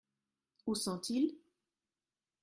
Où sont-ils ?